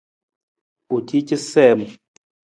U ci casiim.